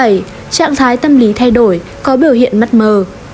bảy trạng thái tâm lý thay đổi có biểu hiện mắt mờ